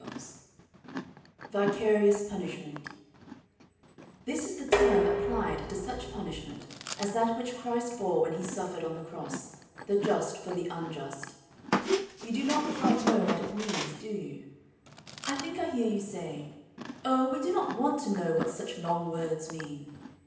"] VICARIOUS PUNISHMENT This is the term applied to such punishment as that which Christ bore when he suffered on the cross, the just for the unjust. You do not quite know what it means, do you? I think I hear you say, "Oh, we do not want to know what such long words mean."